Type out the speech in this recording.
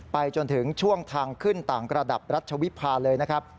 จนถึงช่วงทางขึ้นต่างระดับรัชวิภาเลยนะครับ